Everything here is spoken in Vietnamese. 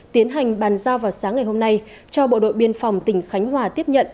tiến hành bàn giao vào sáng ngày hôm nay cho bộ đội biên phòng tỉnh khánh hòa tiếp nhận